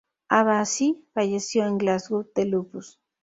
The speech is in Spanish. Abbasi falleció en Glasgow de lupus.